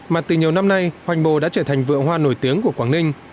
mà từ nhiều năm nay hoành bồ đã trở thành vựa hoa nổi tiếng của quảng ninh